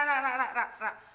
eh ra ra ra ra ra